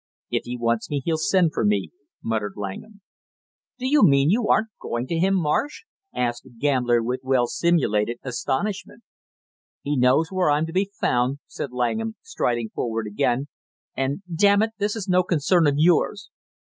"If he wants me, he'll send for me!" muttered Langham. "Do you mean you aren't going to him, Marsh?" asked the gambler with well simulated astonishment. "He knows where I'm to be found," said Langham, striding forward again, "and, damn it, this is no concern of yours!"